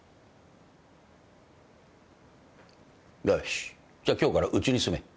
よしじゃあ今日からうちに住め。